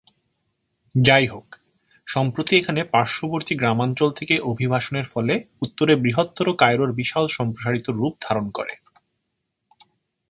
যাইহোক, সম্প্রতি এখানে পার্শ্ববর্তী গ্রামাঞ্চল থেকে অভিবাসনের ফলে উত্তরে বৃহত্তর কায়রোর বিশাল সম্প্রসারিত রূপ ধারণ করে।